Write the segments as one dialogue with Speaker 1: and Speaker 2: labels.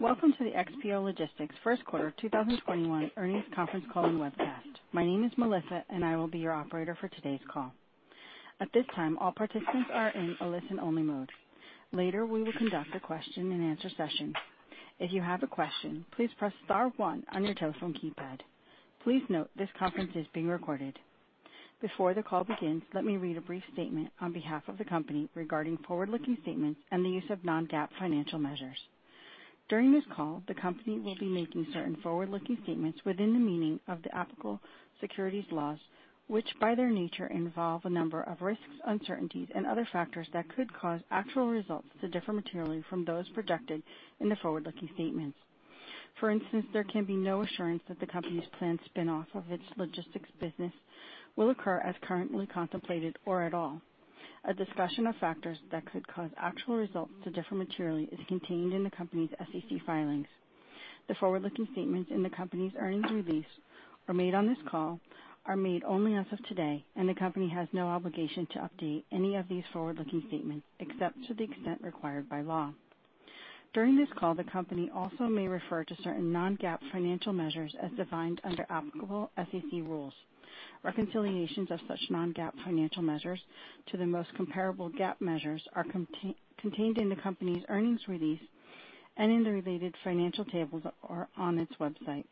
Speaker 1: Welcome to the XPO Logistics first quarter 2021 earnings conference call and webcast. My name is Melissa. I will be your operator for today's call. At this time, all participants are in a listen-only mode. Later, we will conduct a question-and-answer session. If you have a question, please press star one on your telephone keypad. Please note this conference is being recorded. Before the call begins, let me read a brief statement on behalf of the company regarding forward-looking statements and the use of non-GAAP financial measures. During this call, the company will be making certain forward-looking statements within the meaning of the applicable securities laws, which by their nature, involve a number of risks, uncertainties, and other factors that could cause actual results to differ materially from those projected in the forward-looking statements. For instance, there can be no assurance that the company's planned spin-off of its logistics business will occur as currently contemplated or at all. A discussion of factors that could cause actual results to differ materially is contained in the company's SEC filings. The forward-looking statements in the company's earnings release or made on this call are made only as of today, and the company has no obligation to update any of these forward-looking statements except to the extent required by law. During this call, the company also may refer to certain non-GAAP financial measures as defined under applicable SEC rules. Reconciliations of such non-GAAP financial measures to the most comparable GAAP measures are contained in the company's earnings release and in the related financial tables or on its website.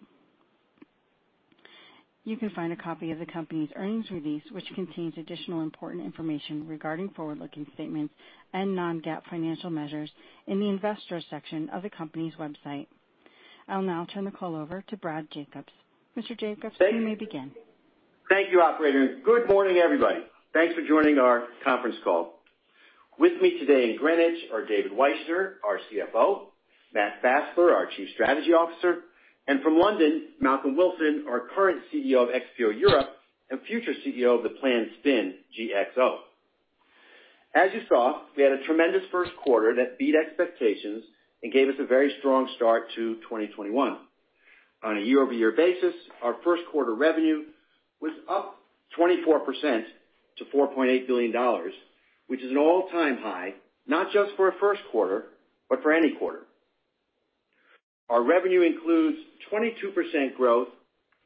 Speaker 1: You can find a copy of the company's earnings release, which contains additional important information regarding forward-looking statements and non-GAAP financial measures in the Investor section of the company's website. I'll now turn the call over to Brad Jacobs. Mr. Jacobs, you may begin.
Speaker 2: Thank you, operator. Good morning, everybody. Thanks for joining our conference call. With me today in Greenwich are David Wyshner, our CFO, Matt Fassler, our Chief Strategy Officer, and from London, Malcolm Wilson, our current CEO of XPO Europe and future CEO of the planned spin, GXO. As you saw, we had a tremendous first quarter that beat expectations and gave us a very strong start to 2021. On a year-over-year basis, our first quarter revenue was up 24% to $4.8 billion, which is an all-time high, not just for a first quarter, but for any quarter. Our revenue includes 22% growth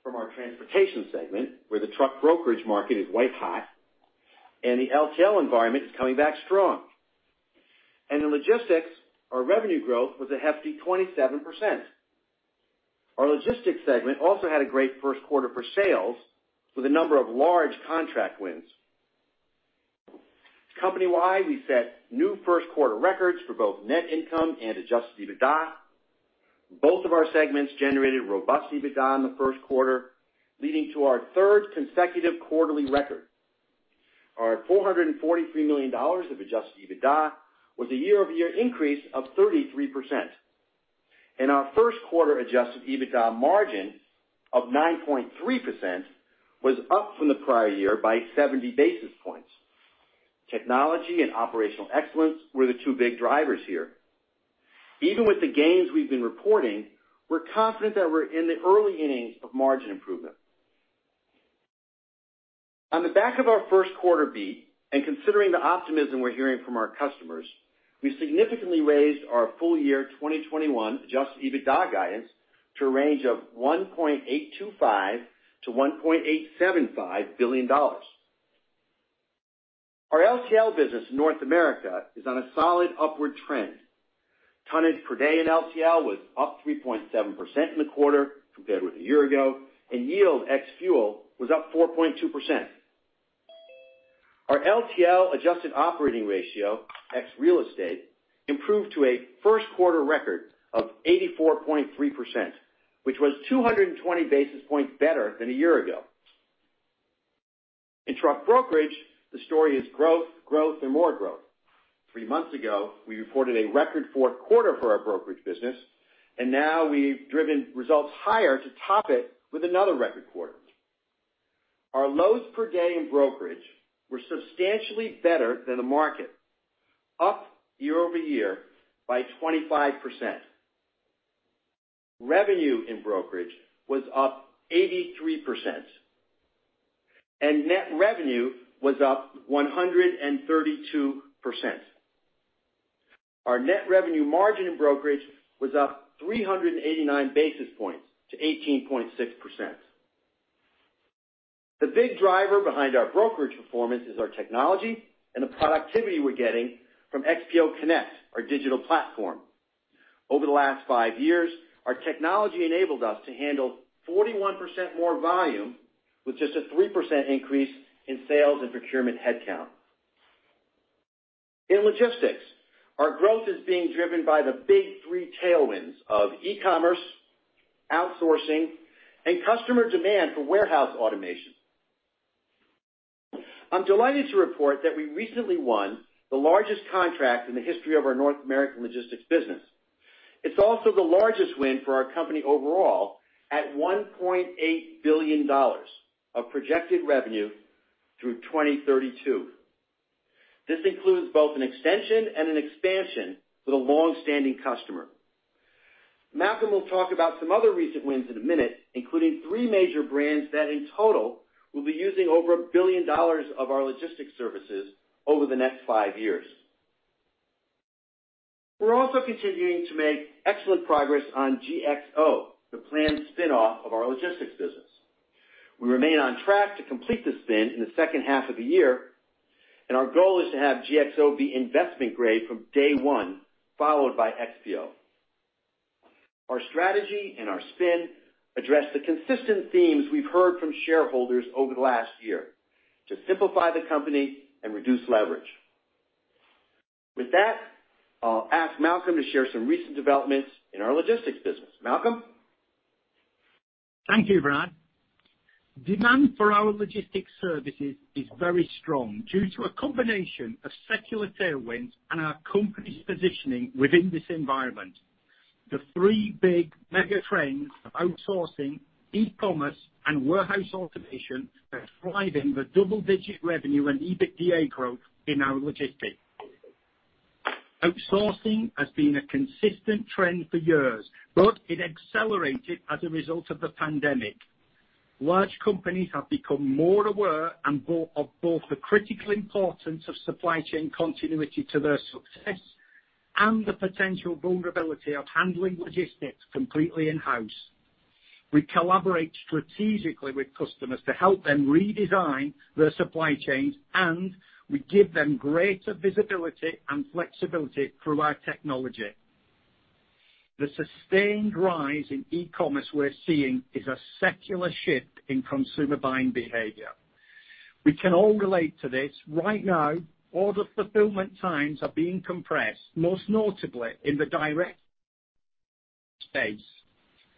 Speaker 2: from our Transportation segment, where the truck brokerage market is white hot and the LTL environment is coming back strong. In logistics, our revenue growth was a hefty 27%. Our Logistics segment also had a great first quarter for sales with a number of large contract wins. Company-wide, we set new first-quarter records for both net income and adjusted EBITDA. Both of our segments generated robust EBITDA in the first quarter, leading to our third consecutive quarterly record. Our $443 million of adjusted EBITDA was a year-over-year increase of 33%. Our first quarter adjusted EBITDA margin of 9.3% was up from the prior year by 70 basis points. Technology and operational excellence were the two big drivers here. Even with the gains we've been reporting, we're confident that we're in the early innings of margin improvement. On the back of our first quarter beat, and considering the optimism we're hearing from our customers, we significantly raised our full year 2021 adjusted EBITDA guidance to a range of $1.825 billion-$1.875 billion. Our LTL business in North America is on a solid upward trend. Tonnage per day in LTL was up 3.7% in the quarter compared with a year ago, and yield ex-fuel was up 4.2%. Our LTL adjusted operating ratio, ex real estate, improved to a first quarter record of 84.3%, which was 220 basis points better than a year ago. In truck brokerage, the story is growth, and more growth. Three months ago, we reported a record fourth quarter for our brokerage business, and now we've driven results higher to top it with another record quarter. Our loads per day in brokerage were substantially better than the market, up year-over-year by 25%. Revenue in brokerage was up 83%, and net revenue was up 132%. Our net revenue margin in brokerage was up 389 basis points to 18.6%. The big driver behind our brokerage performance is our technology and the productivity we're getting from XPO Connect, our digital platform. Over the last five years, our technology enabled us to handle 41% more volume with just a 3% increase in sales and procurement headcount. In logistics, our growth is being driven by the big three tailwinds of e-commerce, outsourcing, and customer demand for warehouse automation. I'm delighted to report that we recently won the largest contract in the history of our North American logistics business. It's also the largest win for our company overall at $1.8 billion of projected revenue through 2032. This includes both an extension and an expansion with a longstanding customer. Malcolm will talk about some other recent wins in a minute, including three major brands that in total will be using over $1 billion of our logistics services over the next five years. We're also continuing to make excellent progress on GXO, the planned spin-off of our logistics business. We remain on track to complete the spin in the second half of the year, and our goal is to have GXO be investment grade from day one, followed by XPO. Our strategy and our spin address the consistent themes we've heard from shareholders over the last year to simplify the company and reduce leverage. With that, I'll ask Malcolm to share some recent developments in our logistics business. Malcolm?
Speaker 3: Thank you, Brad. Demand for our logistics services is very strong due to a combination of secular tailwinds and our company's positioning within this environment. The three big mega trends of outsourcing, e-commerce, and warehouse automation are driving the double-digit revenue and EBITDA growth in our logistics. Outsourcing has been a consistent trend for years, but it accelerated as a result of the pandemic. Large companies have become more aware of both the critical importance of supply chain continuity to their success and the potential vulnerability of handling logistics completely in-house. We collaborate strategically with customers to help them redesign their supply chains, and we give them greater visibility and flexibility through our technology. The sustained rise in e-commerce we're seeing is a secular shift in consumer buying behavior. We can all relate to this. Right now, order fulfillment times are being compressed, most notably in the direct space.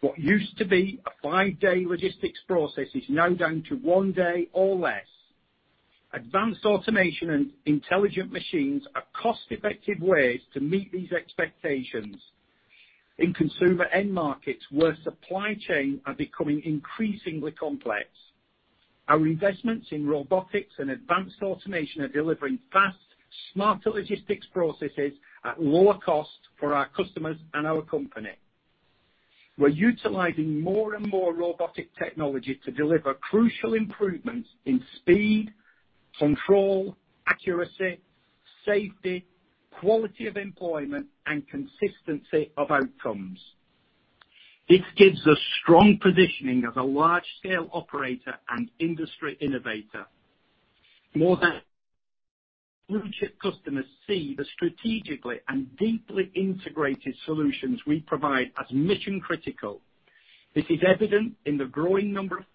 Speaker 3: What used to be a five-day logistics process is now down to one day or less. Advanced automation and intelligent machines are cost-effective ways to meet these expectations in consumer end markets where supply chain are becoming increasingly complex. Our investments in robotics and advanced automation are delivering fast, smarter logistics processes at lower cost for our customers and our company. We're utilizing more and more robotic technology to deliver crucial improvements in speed, control, accuracy, safety, quality of employment, and consistency of outcomes. This gives us strong positioning as a large-scale operator and industry innovator. More than blue-chip customers see the strategically and deeply integrated solutions we provide as mission-critical. This is evident in the growing number of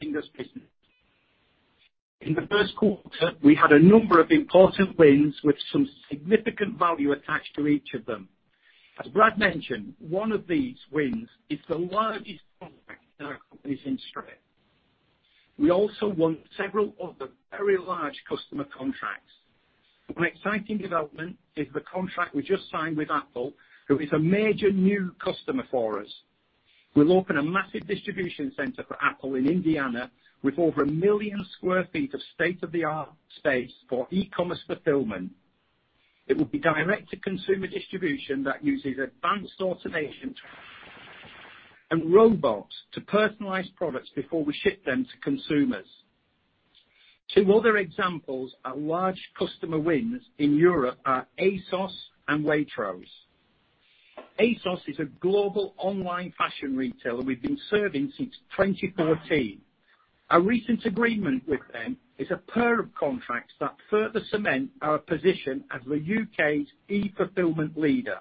Speaker 3: wins in this business. In the first quarter, we had a number of important wins with some significant value attached to each of them. As Brad mentioned, one of these wins is the largest contract in our company's history. We also won several other very large customer contracts. One exciting development is the contract we just signed with Apple, who is a major new customer for us. We'll open a massive distribution center for Apple in Indiana with over 1 million sq ft of state-of-the-art space for e-commerce fulfillment. It will be direct-to-consumer distribution that uses advanced automation and robots to personalize products before we ship them to consumers. Two other examples are large customer wins in Europe are ASOS and Waitrose. ASOS is a global online fashion retailer we've been serving since 2014. Our recent agreement with them is a pair of contracts that further cement our position as the U.K.'s e-fulfillment leader.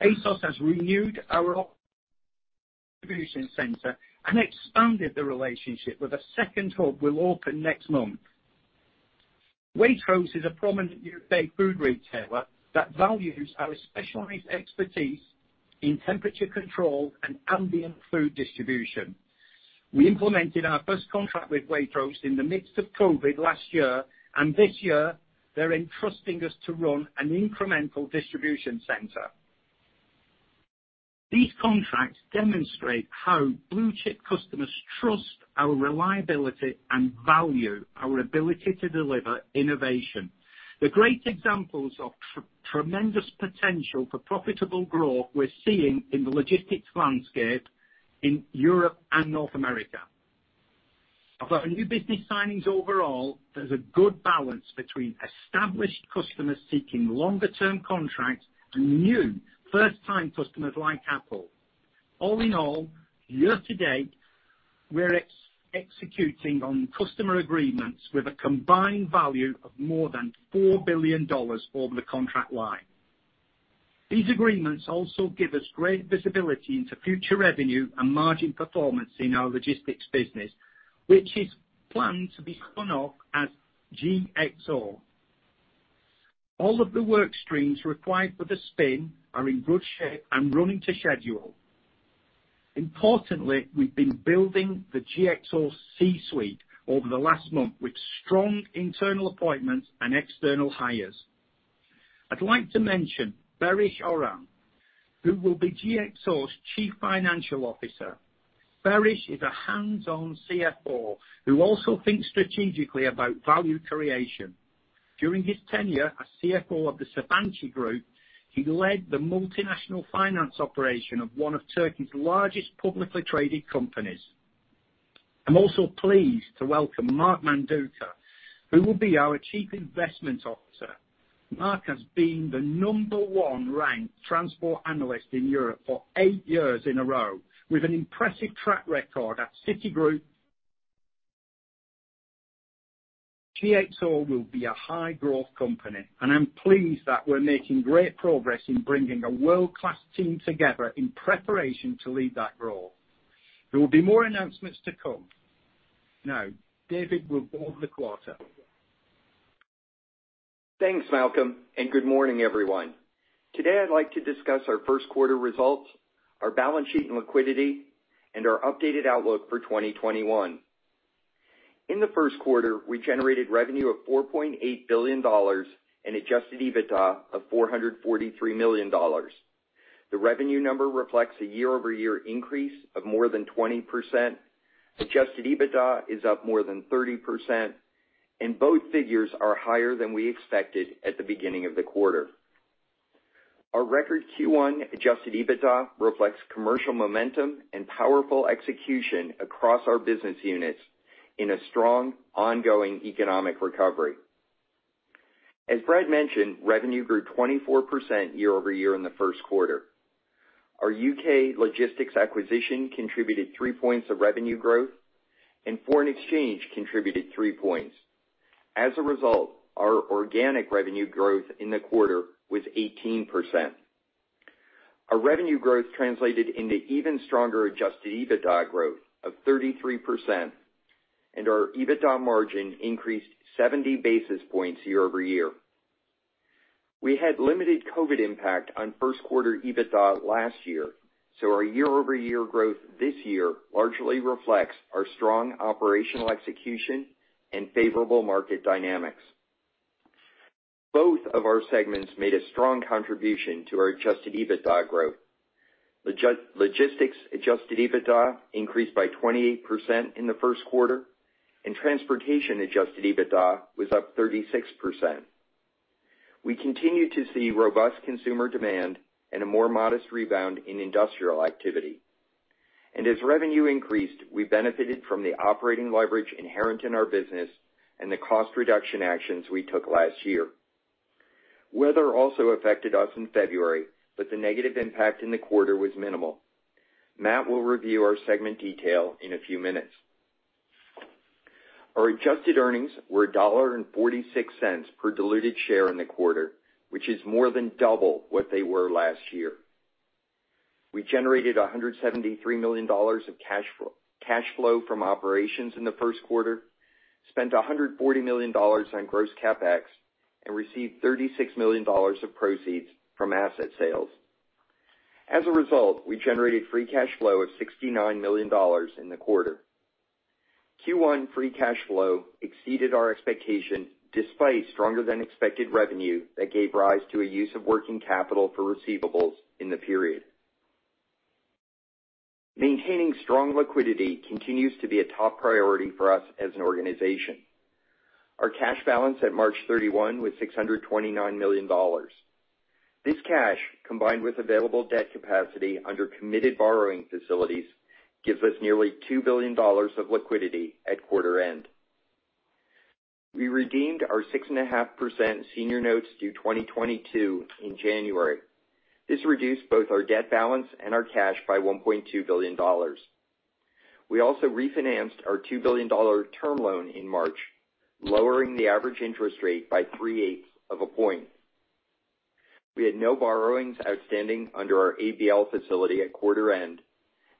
Speaker 3: ASOS has renewed our distribution center and expanded the relationship with a second hub we'll open next month. Waitrose is a prominent U.K. food retailer that values our specialized expertise in temperature control and ambient food distribution. We implemented our first contract with Waitrose in the midst of COVID last year, and this year they're entrusting us to run an incremental distribution center. These contracts demonstrate how blue-chip customers trust our reliability and value our ability to deliver innovation. The great examples of tremendous potential for profitable growth we're seeing in the logistics landscape in Europe and North America. Of our new business signings overall, there's a good balance between established customers seeking longer-term contracts and new first-time customers like Apple. All in all, year to date, we're executing on customer agreements with a combined value of more than $4 billion over the contract life. These agreements also give us great visibility into future revenue and margin performance in our logistics business, which is planned to be spun off as GXO. All of the work streams required for the spin are in good shape and running to schedule. Importantly, we've been building the GXO C-suite over the last month with strong internal appointments and external hires. I'd like to mention Baris Oran, who will be GXO's Chief Financial Officer. Baris is a hands-on CFO who also thinks strategically about value creation. During his tenure as CFO of the Sabancı Holding, he led the multinational finance operation of one of Turkey's largest publicly traded companies. I'm also pleased to welcome Mark Manduca, who will be our Chief Investment Officer. Mark has been the number one ranked transport analyst in Europe for eight years in a row, with an impressive track record at Citigroup. GXO will be a high growth company, and I'm pleased that we're making great progress in bringing a world-class team together in preparation to lead that role. There will be more announcements to come. Now, David will go over the quarter.
Speaker 4: Thanks, Malcolm, and good morning, everyone. Today, I'd like to discuss our first quarter results, our balance sheet and liquidity, and our updated outlook for 2021. In the first quarter, we generated revenue of $4.8 billion and adjusted EBITDA of $443 million. The revenue number reflects a year-over-year increase of more than 20%, adjusted EBITDA is up more than 30%, and both figures are higher than we expected at the beginning of the quarter. Our record Q1 adjusted EBITDA reflects commercial momentum and powerful execution across our business units in a strong, ongoing economic recovery. As Brad mentioned, revenue grew 24% year-over-year in the first quarter. Our U.K. logistics acquisition contributed three points of revenue growth, and foreign exchange contributed three points. As a result, our organic revenue growth in the quarter was 18%. Our revenue growth translated into even stronger adjusted EBITDA growth of 33%, and our EBITDA margin increased 70 basis points year-over-year. We had limited COVID impact on first quarter EBITDA last year. Our year-over-year growth this year largely reflects our strong operational execution and favorable market dynamics. Both of our segments made a strong contribution to our adjusted EBITDA growth. Logistics adjusted EBITDA increased by 28% in the first quarter. Transportation adjusted EBITDA was up 36%. We continue to see robust consumer demand and a more modest rebound in industrial activity. As revenue increased, we benefited from the operating leverage inherent in our business and the cost reduction actions we took last year. Weather also affected us in February. The negative impact in the quarter was minimal. Matt will review our segment detail in a few minutes. Our adjusted earnings were $1.46 per diluted share in the quarter, which is more than double what they were last year. We generated $173 million of cash flow from operations in the first quarter, spent $140 million on gross CapEx, and received $36 million of proceeds from asset sales. As a result, we generated free cash flow of $69 million in the quarter. Q1 free cash flow exceeded our expectation despite stronger than expected revenue that gave rise to a use of working capital for receivables in the period. Maintaining strong liquidity continues to be a top priority for us as an organization. Our cash balance at March 31 was $629 million. This cash, combined with available debt capacity under committed borrowing facilities, gives us nearly $2 billion of liquidity at quarter end. We redeemed our 6.5% senior notes due 2022 in January. This reduced both our debt balance and our cash by $1.2 billion. We also refinanced our $2 billion term loan in March, lowering the average interest rate by three-eighth of a point. We had no borrowings outstanding under our ABL facility at quarter end,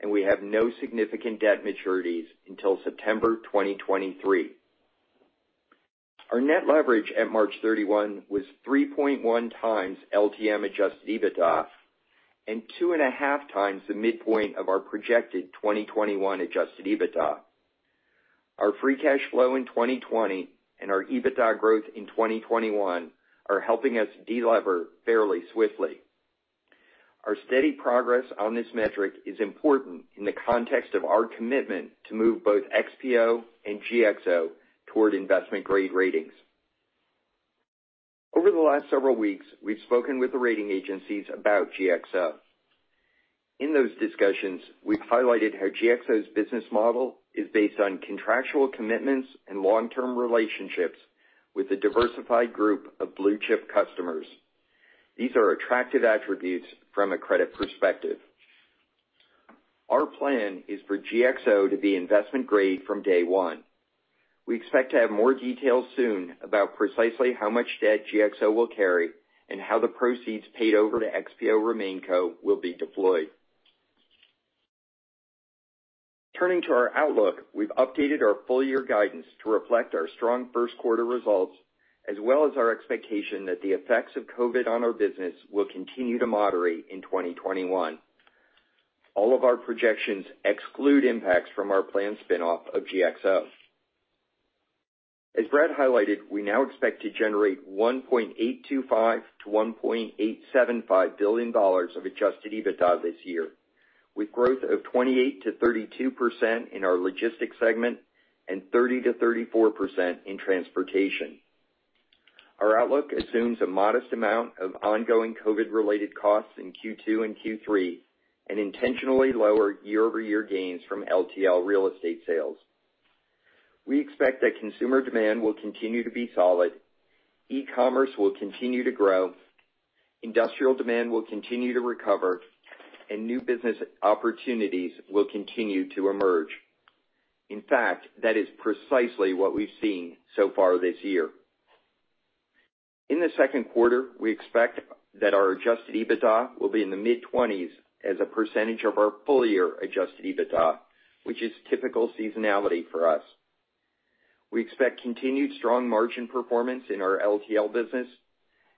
Speaker 4: and we have no significant debt maturities until September 2023. Our net leverage at March 31 was 3.1x LTM adjusted EBITDA and 2.5x the midpoint of our projected 2021 adjusted EBITDA. Our free cash flow in 2020 and our EBITDA growth in 2021 are helping us de-lever fairly swiftly. Our steady progress on this metric is important in the context of our commitment to move both XPO and GXO toward investment-grade ratings. Over the last several weeks, we've spoken with the rating agencies about GXO. In those discussions, we've highlighted how GXO's business model is based on contractual commitments and long-term relationships with a diversified group of blue-chip customers. These are attractive attributes from a credit perspective. Our plan is for GXO to be investment grade from day one. We expect to have more details soon about precisely how much debt GXO will carry and how the proceeds paid over to XPO RemainCo will be deployed. Turning to our outlook, we've updated our full year guidance to reflect our strong first quarter results, as well as our expectation that the effects of COVID on our business will continue to moderate in 2021. All of our projections exclude impacts from our planned spin-off of GXO. As Brad highlighted, we now expect to generate $1.825 billion-$1.875 billion of adjusted EBITDA this year, with growth of 28%-32% in our Logistics segment and 30%-34% in Transportation. Our outlook assumes a modest amount of ongoing COVID-related costs in Q2 and Q3, and intentionally lower year-over-year gains from LTL real estate sales. We expect that consumer demand will continue to be solid, e-commerce will continue to grow, industrial demand will continue to recover, and new business opportunities will continue to emerge. In fact, that is precisely what we've seen so far this year. In the second quarter, we expect that our adjusted EBITDA will be in the mid-20s as a percentage of our full-year adjusted EBITDA, which is typical seasonality for us. We expect continued strong margin performance in our LTL business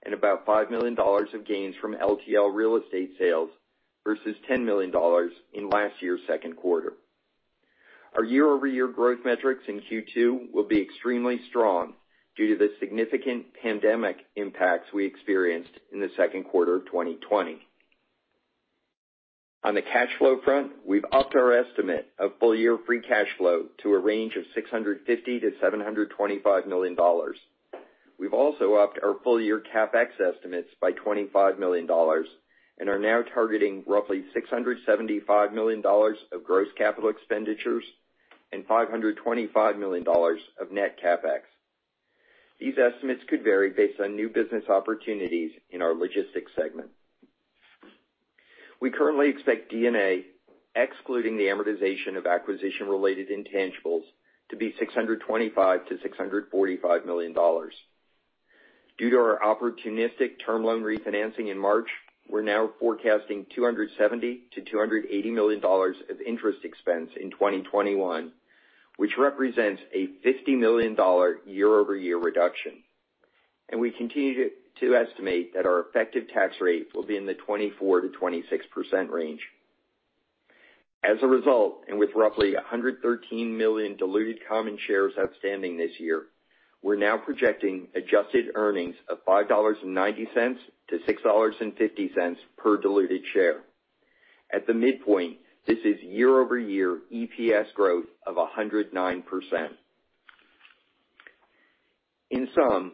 Speaker 4: and about $5 million of gains from LTL real estate sales versus $10 million in last year's second quarter. Our year-over-year growth metrics in Q2 will be extremely strong due to the significant pandemic impacts we experienced in the second quarter of 2020. On the cash flow front, we've upped our estimate of full-year free cash flow to a range of $650 million-$725 million. We've also upped our full-year CapEx estimates by $25 million and are now targeting roughly $675 million of gross capital expenditures and $525 million of net CapEx. These estimates could vary based on new business opportunities in our Logistics segment. We currently expect D&A, excluding the amortization of acquisition-related intangibles, to be $625 million-$645 million. Due to our opportunistic term loan refinancing in March, we're now forecasting $270 million-$280 million of interest expense in 2021, which represents a $50 million year-over-year reduction. We continue to estimate that our effective tax rate will be in the 24%-26% range. As a result, with roughly 113 million diluted common shares outstanding this year, we're now projecting adjusted earnings of $5.90-$6.50 per diluted share. At the midpoint, this is year-over-year EPS growth of 109%. In sum,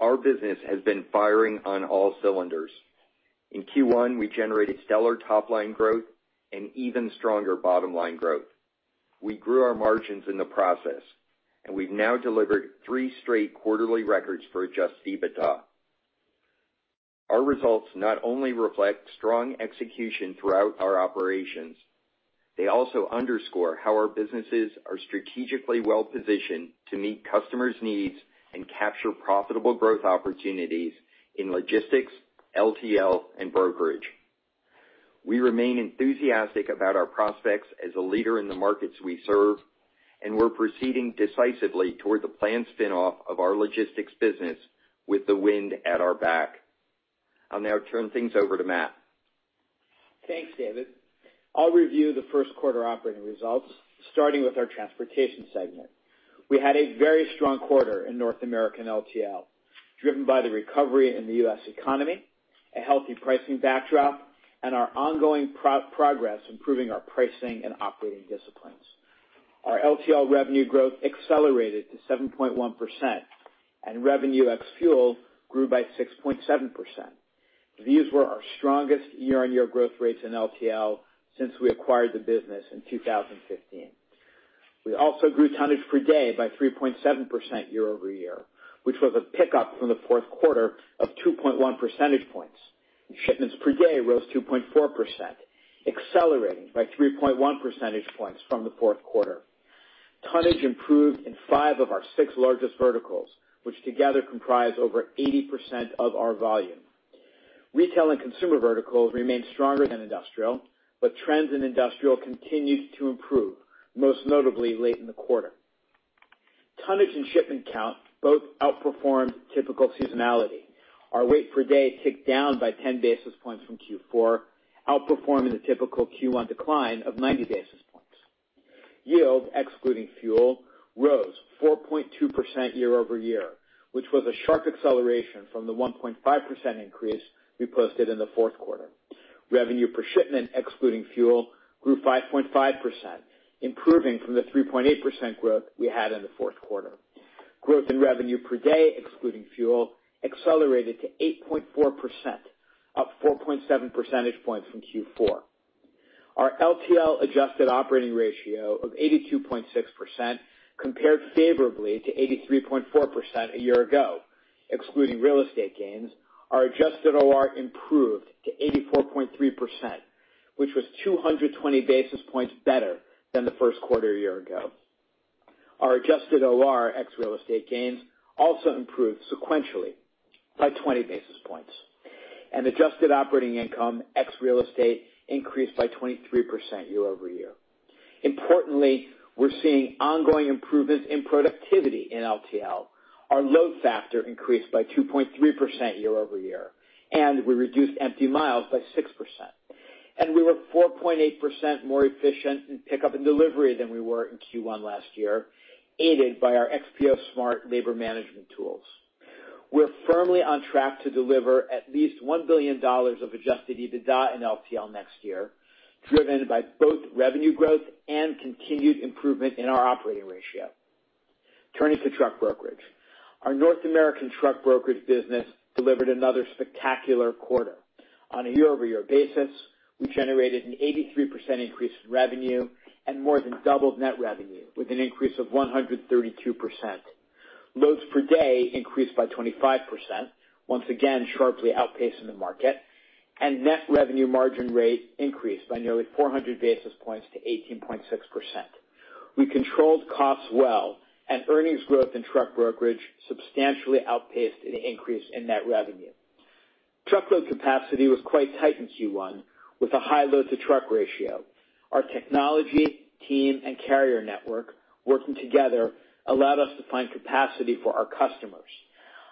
Speaker 4: our business has been firing on all cylinders. In Q1, we generated stellar top-line growth and even stronger bottom-line growth. We grew our margins in the process, and we've now delivered three straight quarterly records for adjusted EBITDA. Our results not only reflect strong execution throughout our operations, they also underscore how our businesses are strategically well-positioned to meet customers' needs and capture profitable growth opportunities in logistics, LTL, and brokerage. We remain enthusiastic about our prospects as a leader in the markets we serve, and we're proceeding decisively toward the planned spin-off of our logistics business with the wind at our back. I'll now turn things over to Matt.
Speaker 5: Thanks, David. I'll review the first quarter operating results, starting with our Transportation segment. We had a very strong quarter in North American LTL, driven by the recovery in the U.S. economy, a healthy pricing backdrop, and our ongoing progress improving our pricing and operating disciplines. Our LTL revenue growth accelerated to 7.1%, and revenue ex fuel grew by 6.7%. These were our strongest year-on-year growth rates in LTL since we acquired the business in 2015. We also grew tonnage per day by 3.7% year-over-year, which was a pickup from the fourth quarter of 2.1 percentage points. Shipments per day rose 2.4%, accelerating by 3.1 percentage points from the fourth quarter. Tonnage improved in five of our six largest verticals, which together comprise over 80% of our volume. Retail and consumer verticals remain stronger than industrial, trends in industrial continued to improve, most notably late in the quarter. Tonnage and shipment count both outperformed typical seasonality. Our weight per day ticked down by 10 basis points from Q4, outperforming the typical Q1 decline of 90 basis points. Yield, excluding fuel, rose 4.2% year-over-year, which was a sharp acceleration from the 1.5% increase we posted in the fourth quarter. Revenue per shipment, excluding fuel, grew 5.5%, improving from the 3.8% growth we had in the fourth quarter. Growth in revenue per day, excluding fuel, accelerated to 8.4%, up 4.7 percentage points from Q4. Our LTL adjusted operating ratio of 82.6% compared favorably to 83.4% a year ago. Excluding real estate gains, our adjusted OR improved to 84.3%, which was 220 basis points better than the first quarter a year ago. Our adjusted OR, ex real estate gains, also improved sequentially by 20 basis points, and adjusted operating income, ex real estate, increased by 23% year-over-year. Importantly, we're seeing ongoing improvements in productivity in LTL. Our load factor increased by 2.3% year-over-year, and we reduced empty miles by 6%. We were 4.8% more efficient in pickup and delivery than we were in Q1 last year, aided by our XPO Smart labor management tools. We're firmly on track to deliver at least $1 billion of adjusted EBITDA in LTL next year, driven by both revenue growth and continued improvement in our operating ratio. Turning to truck brokerage. Our North American truck brokerage business delivered another spectacular quarter. On a year-over-year basis, we generated an 83% increase in revenue and more than doubled net revenue with an increase of 132%. Loads per day increased by 25%, once again, sharply outpacing the market, and net revenue margin rate increased by nearly 400 basis points to 18.6%. We controlled costs well, and earnings growth in truck brokerage substantially outpaced the increase in net revenue. Truckload capacity was quite tight in Q1 with a high load-to-truck ratio. Our technology, team, and carrier network working together allowed us to find capacity for our customers.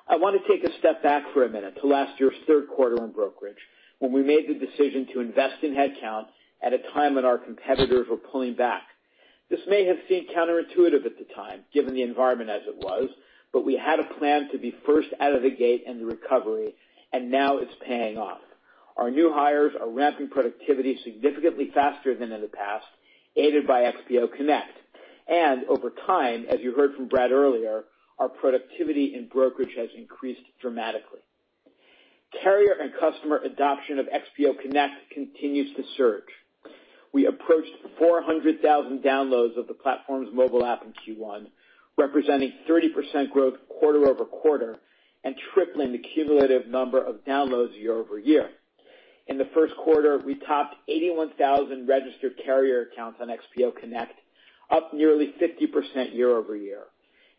Speaker 5: I want to take a step back for a minute to last year's third quarter on brokerage, when we made the decision to invest in headcount at a time when our competitors were pulling back. This may have seemed counterintuitive at the time, given the environment as it was, but we had a plan to be first out of the gate in the recovery, and now it's paying off. Our new hires are ramping productivity significantly faster than in the past, aided by XPO Connect. Over time, as you heard from Brad earlier, our productivity in brokerage has increased dramatically. Carrier and customer adoption of XPO Connect continues to surge. We approached 400,000 downloads of the platform's mobile app in Q1, representing 30% growth quarter-over-quarter and tripling the cumulative number of downloads year-over-year. In the first quarter, we topped 81,000 registered carrier accounts on XPO Connect, up nearly 50% year-over-year,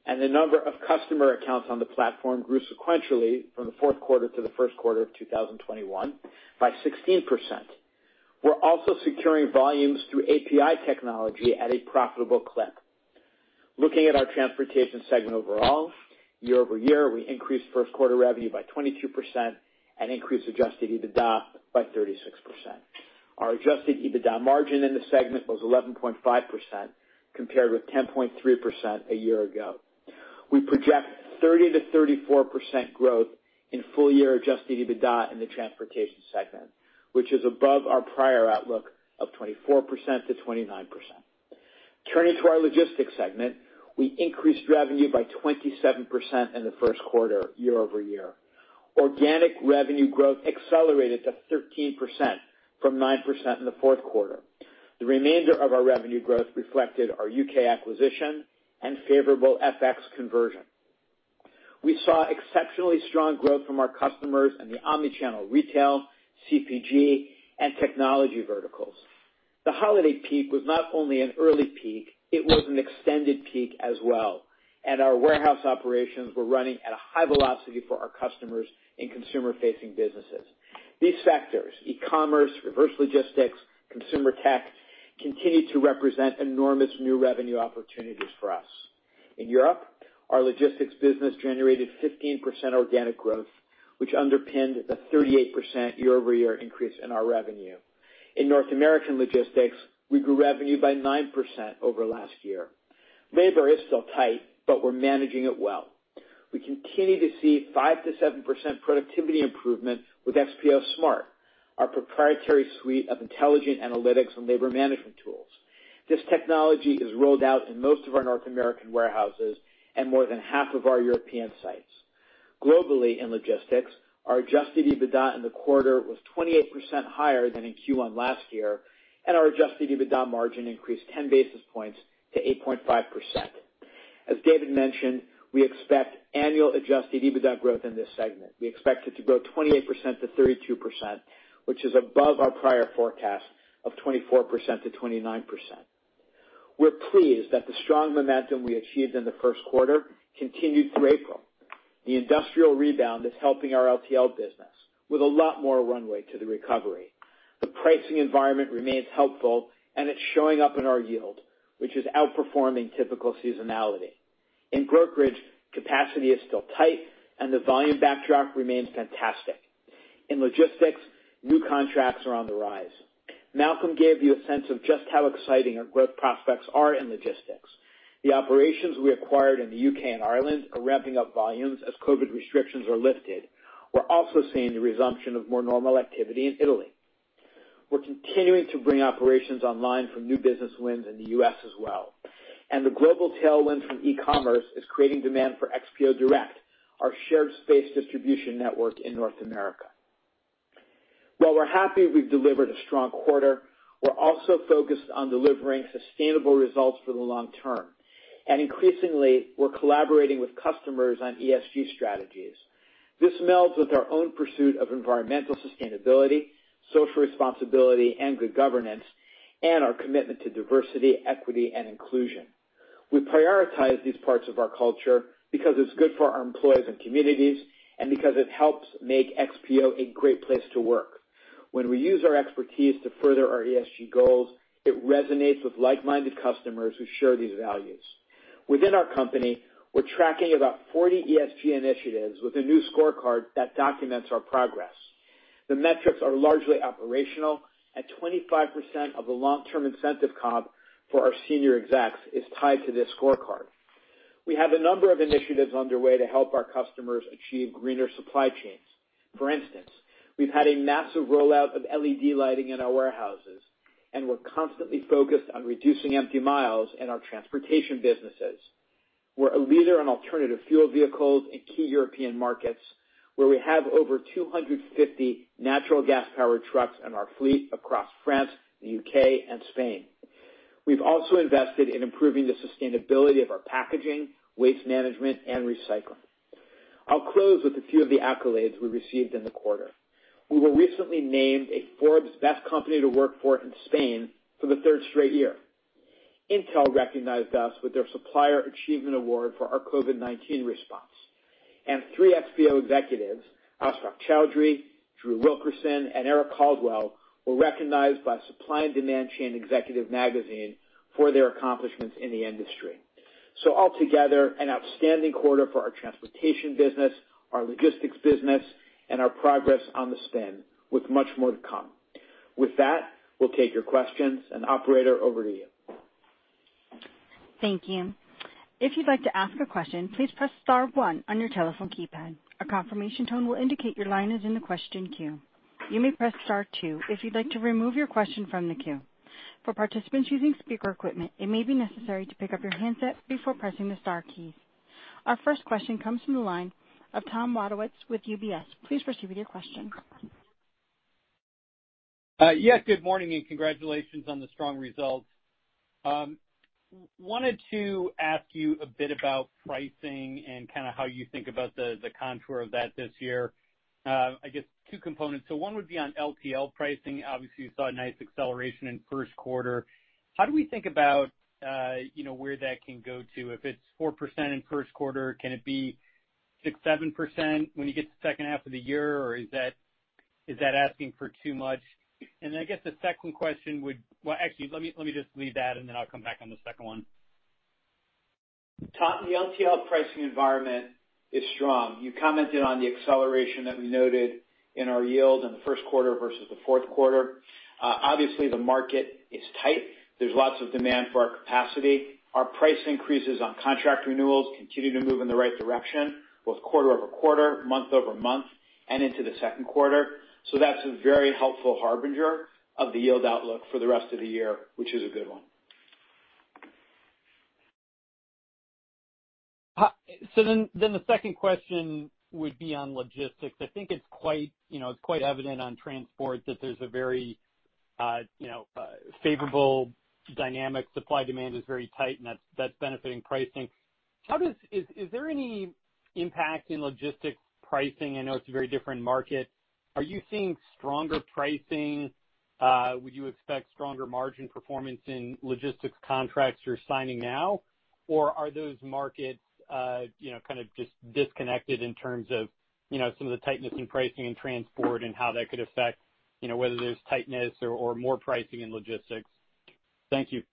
Speaker 5: and the number of customer accounts on the platform grew sequentially from the fourth quarter to the first quarter of 2021 by 16%. We're also securing volumes through API technology at a profitable clip. Looking at our Transportation segment overall, year-over-year, we increased first quarter revenue by 22% and increased adjusted EBITDA by 36%. Our adjusted EBITDA margin in the segment was 11.5%, compared with 10.3% a year ago. We project 30%-34% growth in full-year adjusted EBITDA in the Transportation segment, which is above our prior outlook of 24%-29%. Turning to our Logistics segment, we increased revenue by 27% in the first quarter year-over-year. Organic revenue growth accelerated to 13%, from 9% in the fourth quarter. The remainder of our revenue growth reflected our U.K. acquisition and favorable FX conversion. We saw exceptionally strong growth from our customers in the omni-channel retail, CPG, and technology verticals. The holiday peak was not only an early peak, it was an extended peak as well, and our warehouse operations were running at a high velocity for our customers in consumer-facing businesses. These factors, e-commerce, reverse logistics, consumer tech, continue to represent enormous new revenue opportunities for us. In Europe, our logistics business generated 15% organic growth, which underpinned the 38% year-over-year increase in our revenue. In North American logistics, we grew revenue by 9% over last year. Labor is still tight, but we're managing it well. We continue to see 5%-7% productivity improvement with XPO Smart, our proprietary suite of intelligent analytics and labor management tools. This technology is rolled out in most of our North American warehouses and more than half of our European sites. Globally, in logistics, our adjusted EBITDA in the quarter was 28% higher than in Q1 last year, and our adjusted EBITDA margin increased 10 basis points to 8.5%. As David mentioned, we expect annual adjusted EBITDA growth in this segment. We expect it to grow 28%-32%, which is above our prior forecast of 24%-29%. We're pleased that the strong momentum we achieved in the first quarter continued through April. The industrial rebound is helping our LTL business with a lot more runway to the recovery. The pricing environment remains helpful, and it's showing up in our yield, which is outperforming typical seasonality. In brokerage, capacity is still tight and the volume backdrop remains fantastic. In logistics, new contracts are on the rise. Malcolm gave you a sense of just how exciting our growth prospects are in logistics. The operations we acquired in the U.K. and Ireland are ramping up volumes as COVID restrictions are lifted. We're also seeing the resumption of more normal activity in Italy. We're continuing to bring operations online from new business wins in the U.S. as well, and the global tailwind from e-commerce is creating demand for XPO Direct, our shared-space distribution network in North America. While we're happy we've delivered a strong quarter, we're also focused on delivering sustainable results for the long term, and increasingly, we're collaborating with customers on ESG strategies. This melds with our own pursuit of environmental sustainability, social responsibility, and good governance, and our commitment to diversity, equity, and inclusion. We prioritize these parts of our culture because it's good for our employees and communities and because it helps make XPO a great place to work. When we use our expertise to further our ESG goals, it resonates with like-minded customers who share these values. Within our company, we're tracking about 40 ESG initiatives with a new scorecard that documents our progress. The metrics are largely operational at 25% of the long-term incentive comp for our senior execs is tied to this scorecard. We have a number of initiatives underway to help our customers achieve greener supply chains. For instance, we've had a massive rollout of LED lighting in our warehouses, and we're constantly focused on reducing empty miles in our transportation businesses. We're a leader in alternative fuel vehicles in key European markets, where we have over 250 natural gas-powered trucks in our fleet across France, the U.K., and Spain. We've also invested in improving the sustainability of our packaging, waste management, and recycling. I'll close with a few of the accolades we received in the quarter. We were recently named a Forbes Best Company to work for in Spain for the third straight year. Intel recognized us with their Supplier Achievement Award for our COVID-19 response, and three XPO executives, Ashfaque Chowdhury, Drew Wilkerson, and Erik Caldwell, were recognized by Supply & Demand Chain Executive Magazine for their accomplishments in the industry. Altogether, an outstanding quarter for our transportation business, our logistics business, and our progress on the spin, with much more to come. With that, we'll take your questions. Operator, over to you.
Speaker 1: Our first question comes from the line of Tom Wadewitz with UBS. Please proceed with your question.
Speaker 6: Yes, good morning, and congratulations on the strong results. Wanted to ask you a bit about pricing and how you think about the contour of that this year. I guess two components. One would be on LTL pricing. Obviously, you saw a nice acceleration in first quarter. How do we think about where that can go to? If it's 4% in first quarter, can it be 6%, 7% when you get to the second half of the year, or is that asking for too much? I guess the second question, well, actually, let me just leave that, and then I'll come back on the second one.
Speaker 5: Tom, the LTL pricing environment is strong. You commented on the acceleration that we noted in our yield in the first quarter versus the fourth quarter. Obviously, the market is tight. There's lots of demand for our capacity. Our price increases on contract renewals continue to move in the right direction, both quarter-over-quarter, month-over-month, and into the second quarter. That's a very helpful harbinger of the yield outlook for the rest of the year, which is a good one.
Speaker 6: The second question would be on logistics. I think it's quite evident on transport that there's a very favorable dynamic. Supply-demand is very tight, and that's benefiting pricing. Is there any impact in logistics pricing? I know it's a very different market. Are you seeing stronger pricing? Would you expect stronger margin performance in logistics contracts you're signing now, or are those markets just disconnected in terms of some of the tightness in pricing in transport and how that could affect whether there's tightness or more pricing in logistics? Thank you.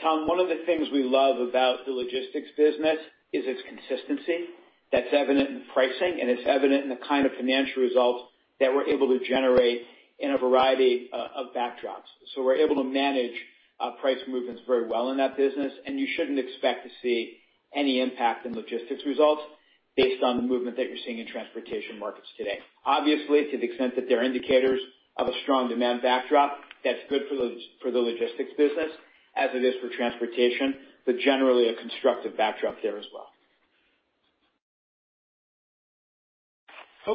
Speaker 5: Tom, one of the things we love about the logistics business is its consistency. That's evident in pricing, and it's evident in the kind of financial results that we're able to generate in a variety of backdrops. We're able to manage price movements very well in that business, and you shouldn't expect to see any impact in logistics results based on the movement that you're seeing in transportation markets today. Obviously, to the extent that there are indicators of a strong demand backdrop, that's good for the logistics business as it is for transportation, but generally a constructive backdrop there as well.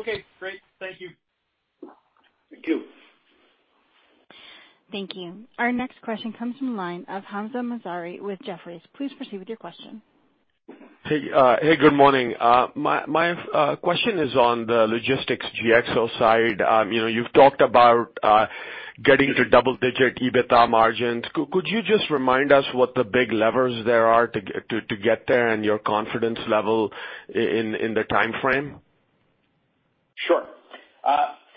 Speaker 6: Okay, great. Thank you.
Speaker 5: Thank you.
Speaker 1: Thank you. Our next question comes from the line of Hamzah Mazari with Jefferies. Please proceed with your question.
Speaker 7: Hey, good morning. My question is on the logistics GXO side. You've talked about getting to double-digit EBITDA margins. Could you just remind us what the big levers there are to get there and your confidence level in the timeframe?
Speaker 5: Sure.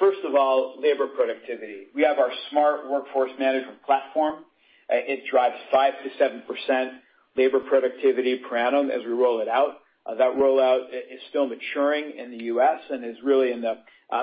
Speaker 5: First of all, labor productivity. We have our smart workforce management platform. It drives 5% to 7% labor productivity per annum as we roll it out. That rollout is still maturing in the U.S. and is really in the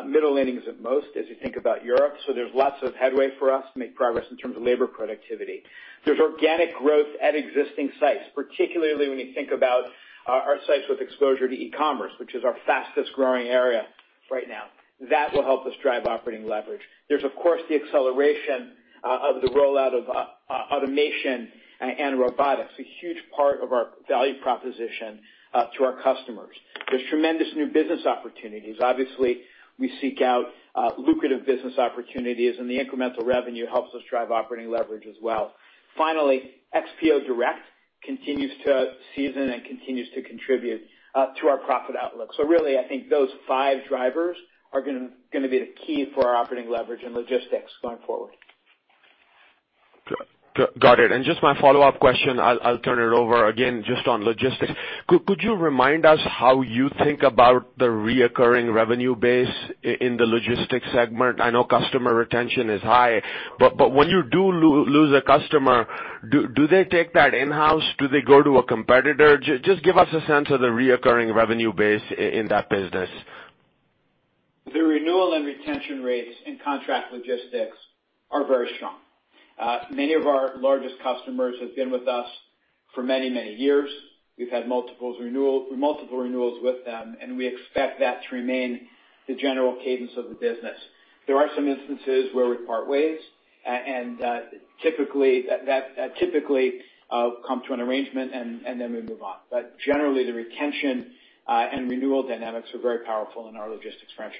Speaker 5: middle innings at most as you think about Europe. There's lots of headway for us to make progress in terms of labor productivity. There's organic growth at existing sites, particularly when you think about our sites with exposure to e-commerce, which is our fastest-growing area right now. That will help us drive operating leverage. There's, of course, the acceleration of the rollout of automation and robotics, a huge part of our value proposition to our customers. There's tremendous new business opportunities. Obviously, we seek out lucrative business opportunities, and the incremental revenue helps us drive operating leverage as well. Finally, XPO Direct continues to season and continues to contribute to our profit outlook. Really, I think those five drivers are going to be the key for our operating leverage in logistics going forward.
Speaker 7: Got it. Just my follow-up question, I'll turn it over again just on the Logistics segment. Could you remind us how you think about the recurring revenue base in the Logistics segment? I know customer retention is high, but when you do lose a customer, do they take that in-house? Do they go to a competitor? Just give us a sense of the recurring revenue base in that business.
Speaker 4: The renewal and retention rates in contract logistics are very strong. Many of our largest customers have been with us for many years. We've had multiple renewals with them, and we expect that to remain the general cadence of the business. There are some instances where we part ways, and that typically comes to an arrangement, and then we move on. Generally, the retention and renewal dynamics are very powerful in our logistics franchise.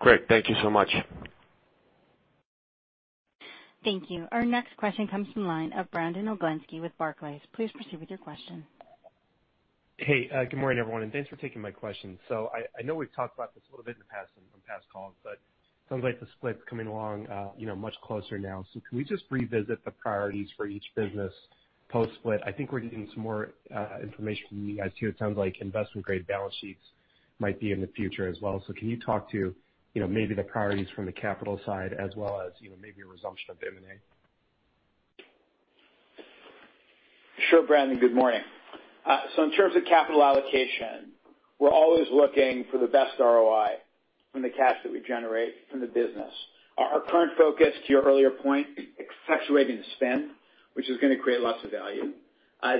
Speaker 7: Great. Thank you so much.
Speaker 1: Thank you. Our next question comes from the line of Brandon Oglenski with Barclays. Please proceed with your question.
Speaker 8: Hey, good morning, everyone, and thanks for taking my question. I know we've talked about this a little bit in the past on past calls, but sounds like the split's coming along much closer now. Can we just revisit the priorities for each business post-split? I think we're getting some more information from you guys, too. It sounds like investment-grade balance sheets might be in the future as well. Can you talk to maybe the priorities from the capital side as well as maybe a resumption of M&A?
Speaker 4: Sure, Brandon. Good morning. In terms of capital allocation, we're always looking for the best ROI from the cash that we generate from the business. Our current focus, to your earlier point, effectuating the spin, which is going to create lots of value,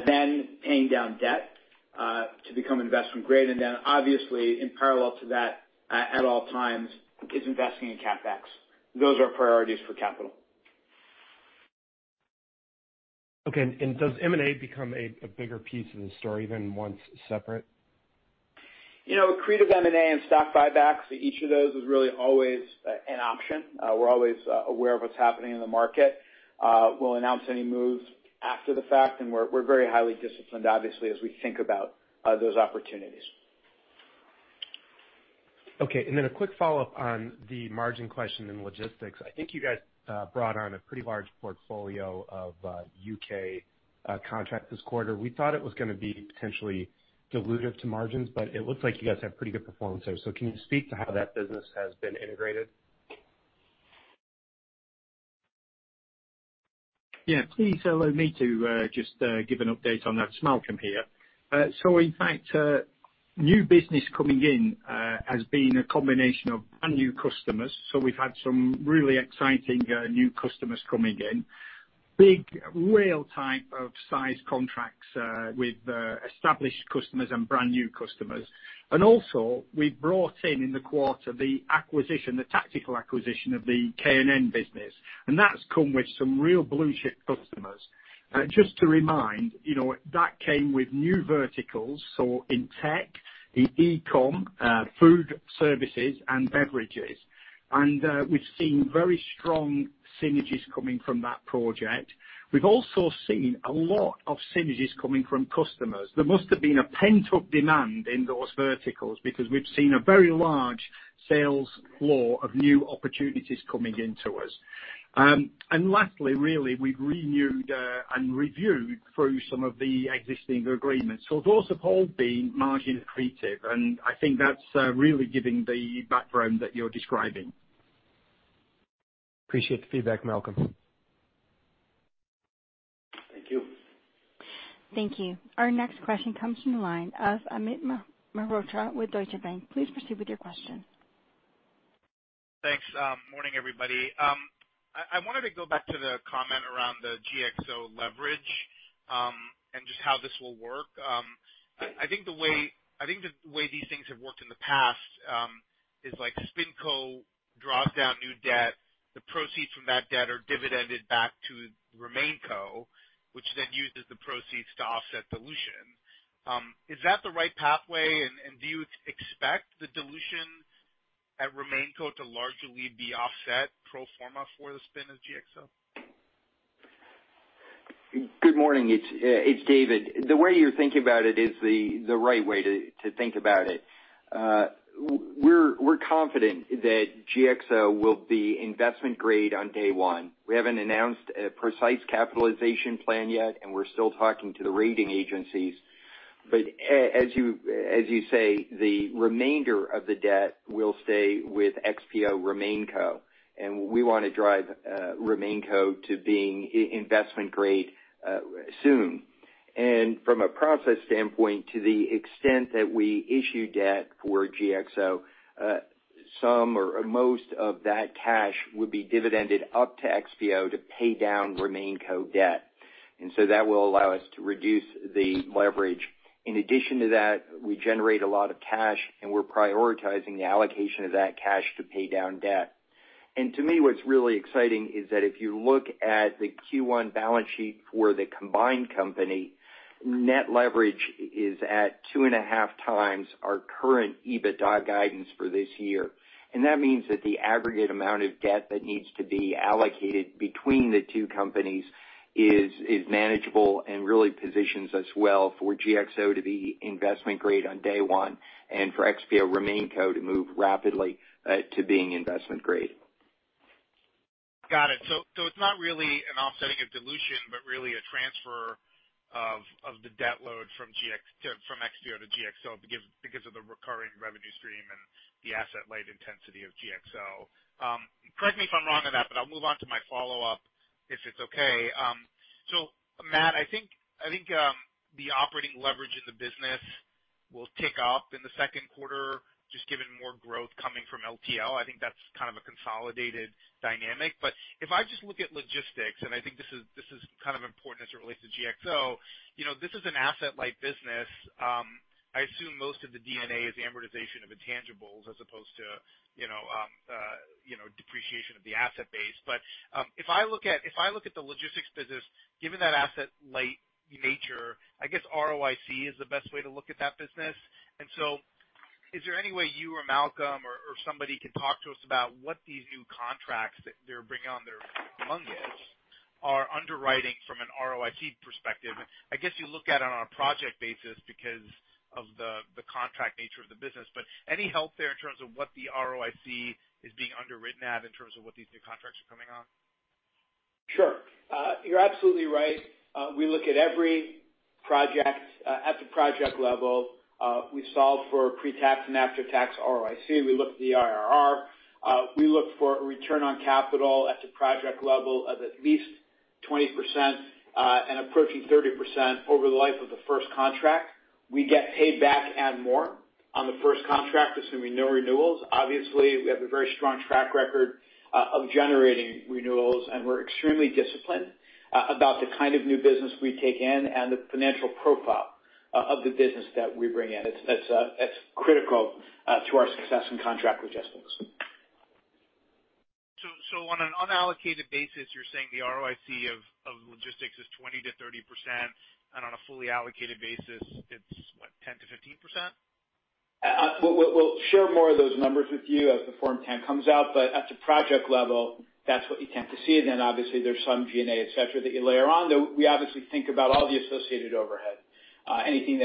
Speaker 4: then paying down debt to become investment grade, and then obviously in parallel to that, at all times, is investing in CapEx. Those are our priorities for capital.
Speaker 8: Okay. Does M&A become a bigger piece of the story than once separate?
Speaker 4: Accretive M&A and stock buybacks, each of those is really always an option. We're always aware of what's happening in the market. We'll announce any moves after the fact, and we're very highly disciplined, obviously, as we think about those opportunities.
Speaker 8: Okay. A quick follow-up on the margin question in logistics. I think you guys brought on a pretty large portfolio of U.K. contracts this quarter. We thought it was going to be potentially dilutive to margins, but it looks like you guys have pretty good performance there. Can you speak to how that business has been integrated?
Speaker 3: Yeah. Please allow me to just give an update on that. It's Malcolm here. In fact, new business coming in has been a combination of brand new customers. We've had some really exciting new customers coming in, big whale type of size contracts with established customers and brand new customers. Also we've brought in the quarter, the tactical acquisition of the K+N business, and that's come with some real blue-chip customers. Just to remind, that came with new verticals, so in tech, in e-com, food services, and beverages. We've seen very strong synergies coming from that project. We've also seen a lot of synergies coming from customers. There must have been a pent-up demand in those verticals because we've seen a very large sales floor of new opportunities coming into us. Lastly, really, we've renewed and reviewed through some of the existing agreements. It's also all been margin accretive, and I think that's really giving the background that you're describing.
Speaker 8: Appreciate the feedback, Malcolm.
Speaker 3: Thank you.
Speaker 1: Thank you. Our next question comes from the line of Amit Mehrotra with Deutsche Bank. Please proceed with your question.
Speaker 9: Thanks. Morning, everybody. I wanted to go back to the comment around the GXO leverage, and just how this will work. I think the way these things have worked in the past is like SpinCo draws down new debt. The proceeds from that debt are dividended back to RemainCo, which then uses the proceeds to offset dilution. Is that the right pathway, and do you expect the dilution at RemainCo to largely be offset pro forma for the spin of GXO?
Speaker 4: Good morning. It's David. The way you're thinking about it is the right way to think about it. We're confident that GXO will be investment grade on day one. We haven't announced a precise capitalization plan yet. We're still talking to the rating agencies. As you say, the remainder of the debt will stay with XPO RemainCo. We want to drive RemainCo to being investment grade soon. From a process standpoint, to the extent that we issue debt for GXO, some or most of that cash would be dividended up to XPO to pay down RemainCo debt. That will allow us to reduce the leverage. In addition to that, we generate a lot of cash. We're prioritizing the allocation of that cash to pay down debt. To me, what's really exciting is that if you look at the Q1 balance sheet for the combined company, net leverage is at 2.5x our current EBITDA guidance for this year. That means that the aggregate amount of debt that needs to be allocated between the two companies is manageable and really positions us well for GXO to be investment grade on day one and for XPO RemainCo to move rapidly to being investment grade.
Speaker 9: It's not really an offsetting of dilution, but really a transfer of the debt load from XPO to GXO because of the recurring revenue stream and the asset-light intensity of GXO. Correct me if I'm wrong on that, but I'll move on to my follow-up. If it's okay. Matt, I think the operating leverage in the business will tick up in the second quarter, just given more growth coming from LTL. I think that's kind of a consolidated dynamic. If I just look at logistics, and I think this is kind of important as it relates to GXO, this is an asset-light business. I assume most of the D&A is amortization of intangibles as opposed to depreciation of the asset base. If I look at the logistics business, given that asset-light nature, I guess ROIC is the best way to look at that business. Is there any way you or Malcolm or somebody can talk to us about what these new contracts that they're bringing on board among this are underwriting from an ROIC perspective? I guess you look at it on a project basis because of the contract nature of the business. Any help there in terms of what the ROIC is being underwritten at in terms of what these new contracts are coming on?
Speaker 5: Sure. You're absolutely right. We look at every project at the project level. We solve for pre-tax and after-tax ROIC. We look at the IRR. We look for a return on capital at the project level of at least 20% and approaching 30% over the life of the first contract. We get paid back and more on the first contract, assuming no renewals. Obviously, we have a very strong track record of generating renewals, and we're extremely disciplined about the kind of new business we take in and the financial profile of the business that we bring in. It's critical to our success in contract logistics.
Speaker 9: On an unallocated basis, you're saying the ROIC of logistics is 20%-30% and on a fully allocated basis it's what, 10%-15%?
Speaker 5: We'll share more of those numbers with you as the Form 10 comes out. At the project level, that's what you tend to see. Obviously there's some G&A, et cetera, that you layer on, though we obviously think about all the associated overhead, any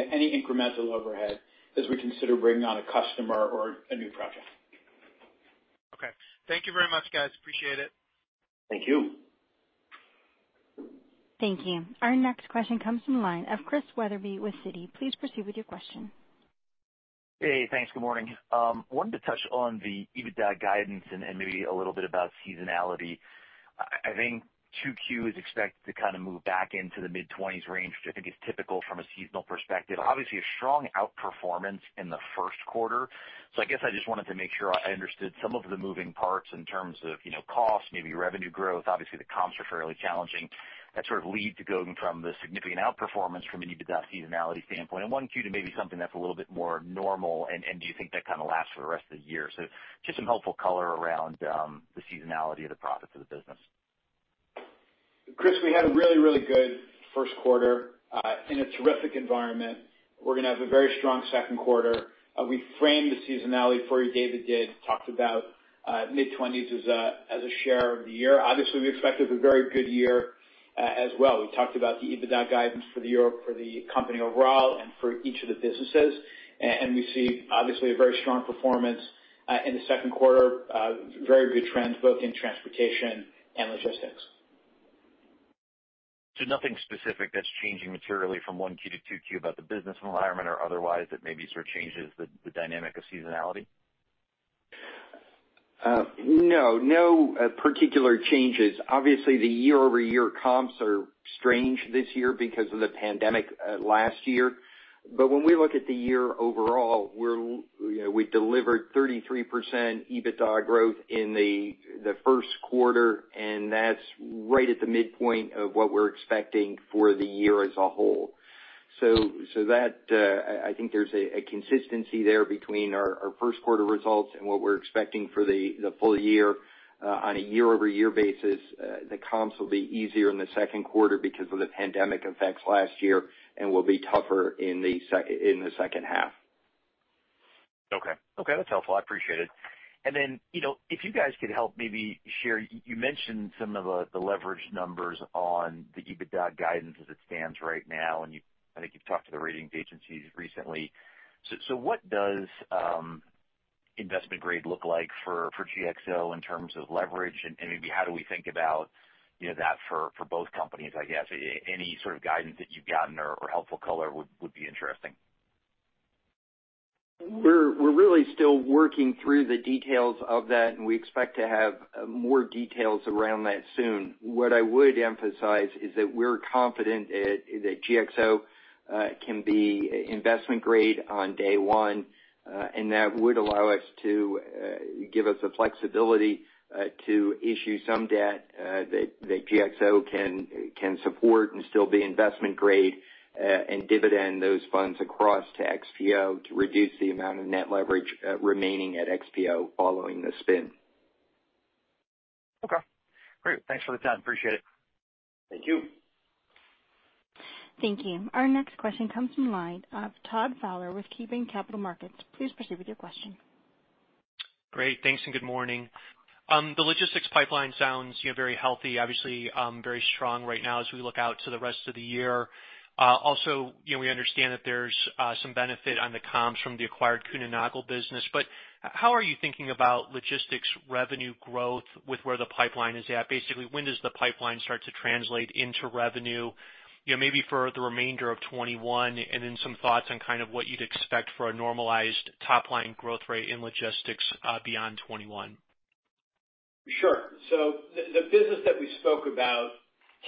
Speaker 5: incremental overhead as we consider bringing on a customer or a new project.
Speaker 9: Okay. Thank you very much, guys. Appreciate it.
Speaker 5: Thank you.
Speaker 1: Thank you. Our next question comes from the line of Chris Wetherbee with Citi. Please proceed with your question.
Speaker 10: Hey, thanks. Good morning. Wanted to touch on the EBITDA guidance and maybe a little bit about seasonality. I think 2Q is expected to kind of move back into the mid-20s range, which I think is typical from a seasonal perspective. Obviously a strong outperformance in the first quarter. I guess I just wanted to make sure I understood some of the moving parts in terms of cost, maybe revenue growth. Obviously, the comps are fairly challenging. That sort of lead to going from the significant outperformance from an EBITDA seasonality standpoint in 1Q to maybe something that's a little bit more normal. Do you think that kind of lasts for the rest of the year? Just some helpful color around the seasonality of the profits of the business.
Speaker 5: Chris, we had a really, really good first quarter in a terrific environment. We're going to have a very strong second quarter. We framed the seasonality for you. David did. Talked about mid-20s as a share of the year. Obviously, we expected a very good year as well. We talked about the EBITDA guidance for the year for the company overall and for each of the businesses. We see obviously a very strong performance in the second quarter. Very good trends both in transportation and logistics.
Speaker 10: Nothing specific that's changing materially from 1Q to 2Q about the business environment or otherwise that maybe sort of changes the dynamic of seasonality?
Speaker 5: No. No particular changes. Obviously, the year-over-year comps are strange this year because of the pandemic last year. When we look at the year overall, we delivered 33% EBITDA growth in the first quarter, and that's right at the midpoint of what we're expecting for the year as a whole. I think there's a consistency there between our first quarter results and what we're expecting for the full year. On a year-over-year basis, the comps will be easier in the second quarter because of the pandemic effects last year and will be tougher in the second half.
Speaker 10: Okay. That's helpful. I appreciate it. Then if you guys could help maybe share, you mentioned some of the leverage numbers on the EBITDA guidance as it stands right now. I think you've talked to the ratings agencies recently. What does investment grade look like for GXO in terms of leverage? Maybe how do we think about that for both companies, I guess? Any sort of guidance that you've gotten or helpful color would be interesting.
Speaker 5: We're really still working through the details of that. We expect to have more details around that soon. What I would emphasize is that we're confident that GXO can be investment grade on day one. That would allow us to give us the flexibility to issue some debt that GXO can support and still be investment grade and dividend those funds across to XPO to reduce the amount of net leverage remaining at XPO following the spin.
Speaker 10: Okay, great. Thanks for the time. Appreciate it.
Speaker 5: Thank you.
Speaker 1: Thank you. Our next question comes from the line of Todd Fowler with KeyBanc Capital Markets. Please proceed with your question.
Speaker 11: Great. Thanks, good morning. The logistics pipeline sounds very healthy, obviously very strong right now as we look out to the rest of the year. We understand that there's some benefit on the comps from the acquired Kuehne+Nagel business. How are you thinking about logistics revenue growth with where the pipeline is at? Basically, when does the pipeline start to translate into revenue maybe for the remainder of 2021? Some thoughts on kind of what you'd expect for a normalized top-line growth rate in logistics beyond 2021.
Speaker 5: Sure. The business that we spoke about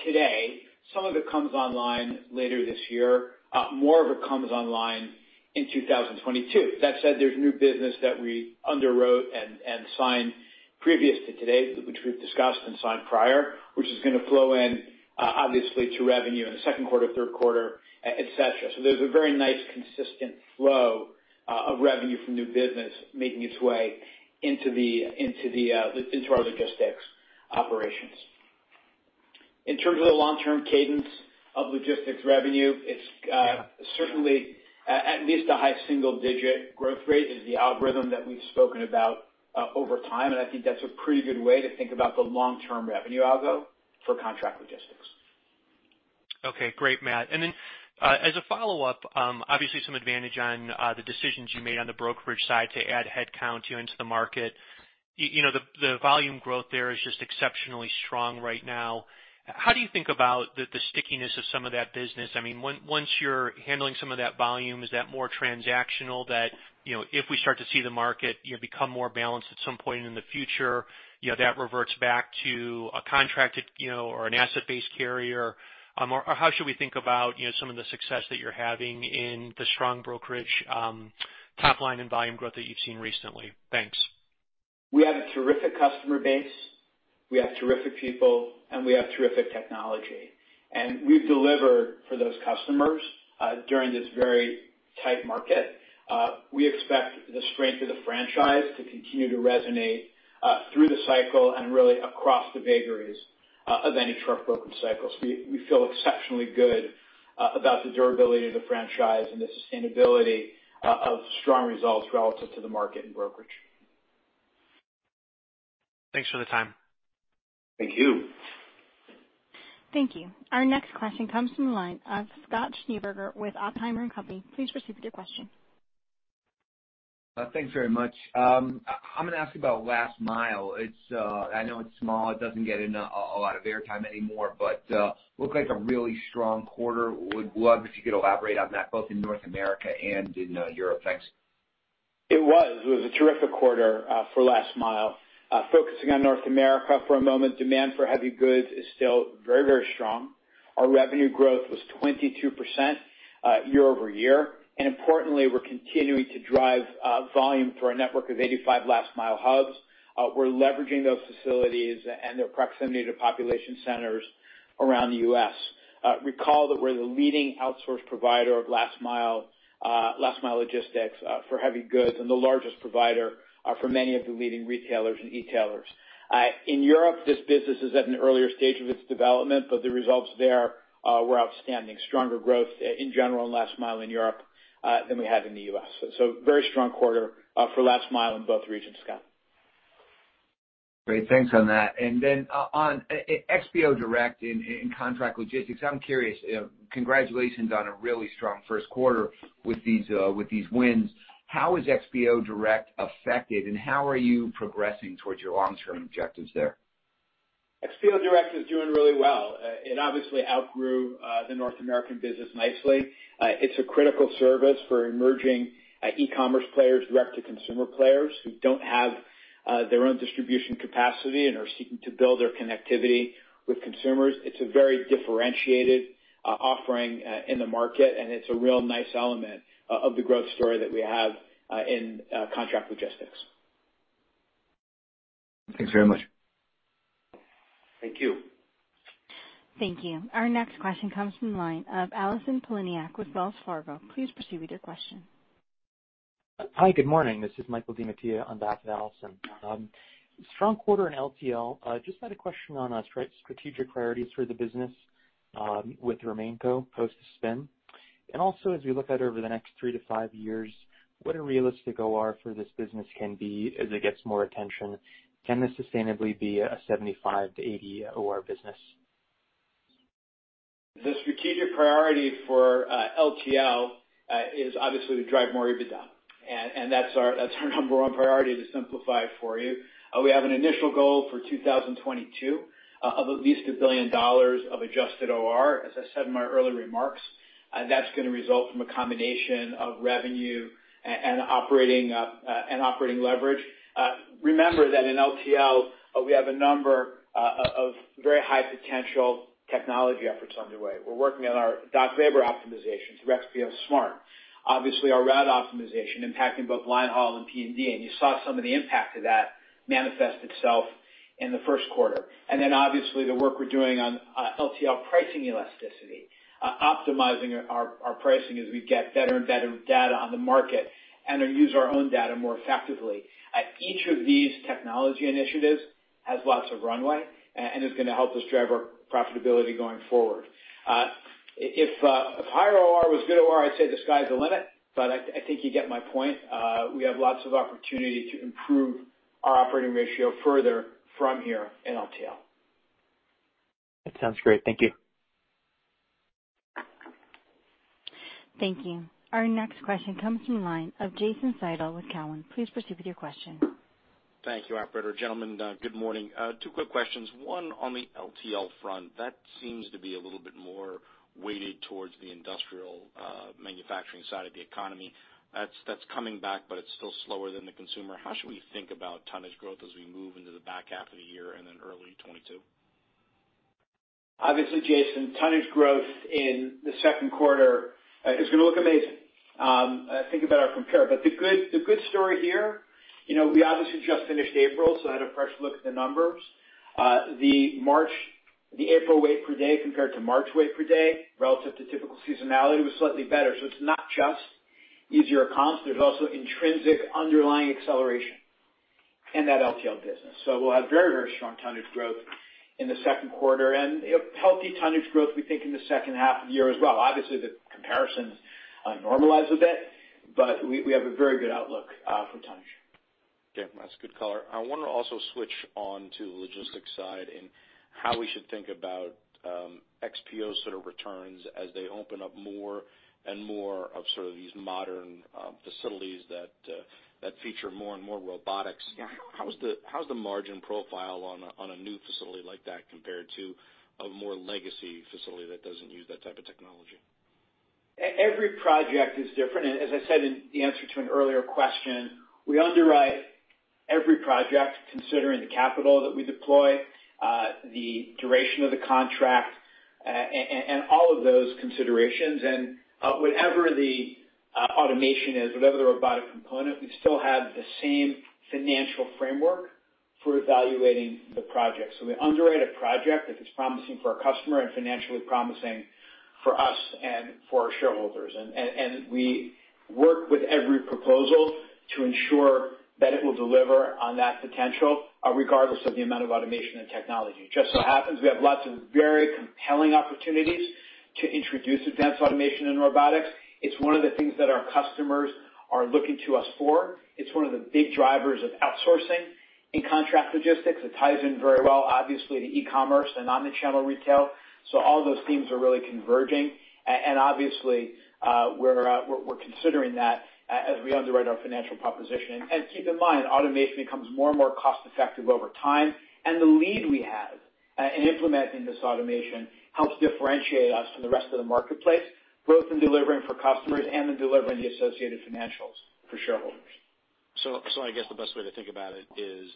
Speaker 5: today, some of it comes online later this year. More of it comes online in 2022. That said, there's new business that we underwrote and signed previous to today, which we've discussed and signed prior, which is going to flow in, obviously, to revenue in the second quarter, third quarter, et cetera. There's a very nice, consistent flow of revenue from new business making its way into our logistics operations. In terms of the long-term cadence of logistics revenue, it's certainly at least a high single-digit growth rate is the algorithm that we've spoken about over time, and I think that's a pretty good way to think about the long-term revenue algo for contract logistics.
Speaker 11: Okay. Great, Matt. Then, as a follow-up, obviously some advantage on the decisions you made on the brokerage side to add headcount into the market. The volume growth there is just exceptionally strong right now. How do you think about the stickiness of some of that business? Once you're handling some of that volume, is that more transactional that if we start to see the market become more balanced at some point in the future, that reverts back to a contracted or an asset-based carrier? How should we think about some of the success that you're having in the strong brokerage top line and volume growth that you've seen recently? Thanks.
Speaker 5: We have a terrific customer base, we have terrific people, and we have terrific technology. We've delivered for those customers during this very tight market. We expect the strength of the franchise to continue to resonate through the cycle and really across the vagaries of any truck broker cycle. We feel exceptionally good about the durability of the franchise and the sustainability of strong results relative to the market and brokerage.
Speaker 11: Thanks for the time.
Speaker 5: Thank you.
Speaker 1: Thank you. Our next question comes from the line of Scott Schneeberger with Oppenheimer & Co. Please proceed with your question.
Speaker 12: Thanks very much. I'm going to ask you about Last Mile. I know it's small. It doesn't get a lot of air time anymore, but looked like a really strong quarter. Would love if you could elaborate on that, both in North America and in Europe. Thanks.
Speaker 5: It was a terrific quarter for Last Mile. Focusing on North America for a moment, demand for heavy goods is still very strong. Our revenue growth was 22% year-over-year. Importantly, we're continuing to drive volume through our network of 85 Last Mile hubs. We're leveraging those facilities and their proximity to population centers around the U.S. Recall that we're the leading outsource provider of Last Mile logistics for heavy goods, and the largest provider for many of the leading retailers and e-tailers. In Europe, this business is at an earlier stage of its development, the results there were outstanding. Stronger growth in general in Last Mile in Europe than we had in the U.S. Very strong quarter for Last Mile in both regions, Scott.
Speaker 12: Great. Thanks on that. On XPO Direct and contract logistics, I'm curious. Congratulations on a really strong first quarter with these wins. How is XPO Direct affected, and how are you progressing towards your long-term objectives there?
Speaker 5: XPO Direct is doing really well. It obviously outgrew the North American business nicely. It is a critical service for emerging e-commerce players, direct-to-consumer players who do not have their own distribution capacity and are seeking to build their connectivity with consumers. It is a very differentiated offering in the market, and it is a real nice element of the growth story that we have in contract logistics.
Speaker 12: Thanks very much.
Speaker 5: Thank you.
Speaker 1: Thank you. Our next question comes from the line of Allison Poliniak with Wells Fargo. Please proceed with your question.
Speaker 13: Hi. Good morning. This is Michael DiMattia on behalf of Allison. Strong quarter in LTL. Just had a question on strategic priorities for the business with RemainCo post the spin. As we look out over the next three to five years, what a realistic OR for this business can be as it gets more attention. Can this sustainably be a 75%-80% OR business?
Speaker 4: The strategic priority for LTL is obviously to drive more EBITDA. That's our number one priority to simplify it for you. We have an initial goal for 2022 of at least $1 billion of adjusted OR, as I said in my earlier remarks. That's going to result from a combination of revenue and operating leverage. Remember that in LTL, we have a number of very high potential technology efforts underway. We're working on our dock labor optimization through XPO Smart. Obviously, our route optimization impacting both line haul and P&D. You saw some of the impact of that manifest itself in the first quarter. Obviously, the work we're doing on LTL pricing elasticity, optimizing our pricing as we get better and better data on the market and use our own data more effectively. Each of these technology initiatives has lots of runway and is going to help us drive our profitability going forward. If higher OR was good OR, I'd say the sky's the limit, but I think you get my point. We have lots of opportunity to improve our operating ratio further from here in LTL.
Speaker 13: That sounds great. Thank you.
Speaker 1: Thank you. Our next question comes from the line of Jason Seidl with Cowen. Please proceed with your question.
Speaker 14: Thank you, operator. Gentlemen, good morning. Two quick questions. One on the LTL front. That seems to be a little bit more weighted towards the industrial manufacturing side of the economy. That's coming back, but it's still slower than the consumer. How should we think about tonnage growth as we move into the back half of the year and then early 2022?
Speaker 4: Jason, tonnage growth in the second quarter is going to look amazing. Think about our compare. The good story here, we obviously just finished April, so I had a fresh look at the numbers. The April weight per day compared to March weight per day relative to typical seasonality was slightly better. It's not just easier comps. There's also intrinsic underlying acceleration in that LTL business. We'll have very strong tonnage growth in the second quarter, and healthy tonnage growth, we think, in the second half of the year as well. The comparisons normalize a bit, but we have a very good outlook for tonnage.
Speaker 14: That's good color. I want to also switch on to logistics side and how we should think about XPO sort of returns as they open up more and more of sort of these modern facilities that feature more and more robotics.
Speaker 3: Yeah.
Speaker 14: How's the margin profile on a new facility like that compared to a more legacy facility that doesn't use that type of technology?
Speaker 3: Every project is different. As I said in the answer to an earlier question, we underwrite every project considering the capital that we deploy, the duration of the contract, and all of those considerations. Whatever the automation is, whatever the robotic component, we still have the same financial framework for evaluating the project. We underwrite a project if it's promising for our customer and financially promising for us and for our shareholders. We work with every proposal to ensure that it will deliver on that potential regardless of the amount of automation and technology. It just so happens we have lots of very compelling opportunities to introduce advanced automation and robotics. It's one of the things that our customers are looking to us for. It's one of the big drivers of outsourcing in contract logistics. It ties in very well, obviously, to e-commerce and omnichannel retail. All those themes are really converging. Obviously, we're considering that as we underwrite our financial proposition. Keep in mind, automation becomes more and more cost-effective over time. The lead we have in implementing this automation helps differentiate us from the rest of the marketplace, both in delivering for customers and in delivering the associated financials for shareholders.
Speaker 14: I guess the best way to think about it is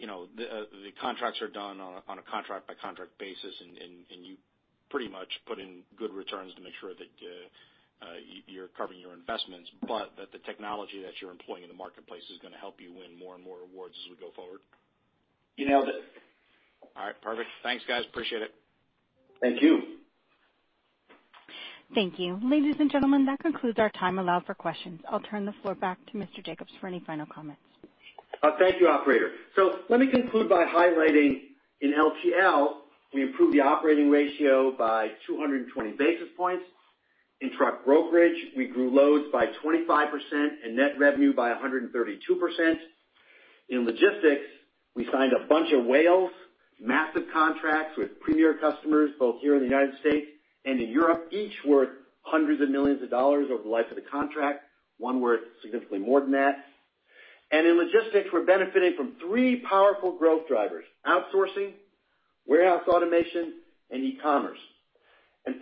Speaker 14: the contracts are done on a contract-by-contract basis, and you pretty much put in good returns to make sure that you're covering your investments. But that the technology that you're employing in the marketplace is going to help you win more and more awards as we go forward?
Speaker 3: You nailed it.
Speaker 14: All right. Perfect. Thanks, guys. Appreciate it.
Speaker 3: Thank you.
Speaker 1: Thank you. Ladies and gentlemen, that concludes our time allowed for questions. I'll turn the floor back to Mr. Jacobs for any final comments.
Speaker 2: Thank you, operator. Let me conclude by highlighting in LTL, we improved the operating ratio by 220 basis points. In truck brokerage, we grew loads by 25% and net revenue by 132%. In logistics, we signed a bunch of whales, massive contracts with premier customers both here in the United States and in Europe, each worth hundreds of millions of dollars over the life of the contract. One worth significantly more than that. In logistics, we're benefiting from three powerful growth drivers, outsourcing, warehouse automation, and e-commerce.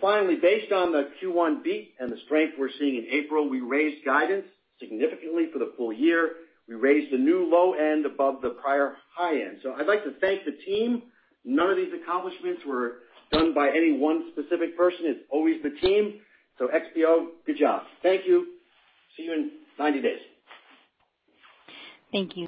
Speaker 2: Finally, based on the Q1 beat and the strength we're seeing in April, we raised guidance significantly for the full year. We raised the new low end above the prior high end. I'd like to thank the team. None of these accomplishments were done by any one specific person. It's always the team. XPO, good job. Thank you. See you in 90 days.
Speaker 1: Thank you.